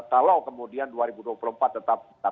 kalau kemudian dua ribu dua puluh empat tetap